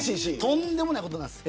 とんでもないことです。